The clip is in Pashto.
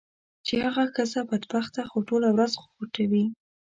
چې هغه ښځه بدبخته خو ټوله ورځ خوټوي.